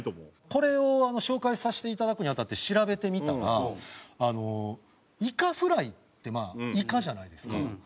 これを紹介させていただくにあたって調べてみたらイカフライってまあイカじゃないですか。